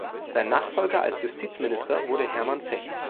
Sein Nachfolger als Justizminister wurde Hermann Fecht.